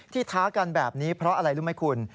ท้ากันแบบนี้เพราะอะไรรู้ไหมคุณ